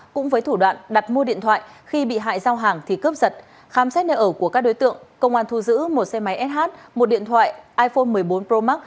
cũng với thủ đoạn đặt mua điện thoại khi bị hại giao hàng thì cướp giật